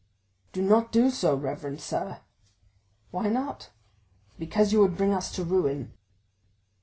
"Do not do so, reverend sir." "Why not?" "Because you would bring us to ruin."